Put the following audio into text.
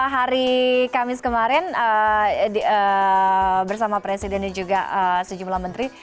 hari kamis kemarin bersama presiden dan juga sejumlah menteri